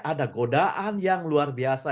ada godaan yang luar biasa